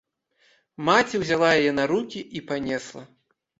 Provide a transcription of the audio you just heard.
Маці ўзяла яе на рукі і панесла.